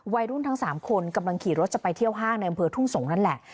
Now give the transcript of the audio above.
วัยรุ่นทั้ง๓คนกำลังขี่รถจะไปเที่ยวห้างในอำเภอทุ่งสงศ์นั่นแหละ